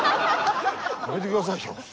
やめて下さいよ。